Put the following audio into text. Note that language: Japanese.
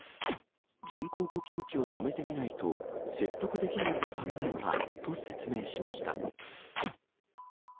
人工呼吸器を止めてみないと、説得できないと考えたと説明しました。